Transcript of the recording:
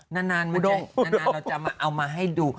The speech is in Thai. แน่นานเราจะเอามาให้ดู